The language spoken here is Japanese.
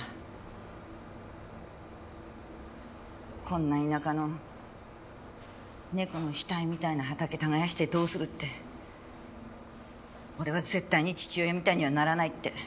こんな田舎の猫の額みたいな畑耕してどうするって俺は絶対に父親みたいにはならないって。